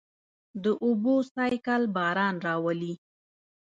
د اوبو سائیکل باران راولي.